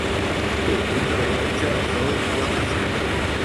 Té un rellotge de sol a la façana.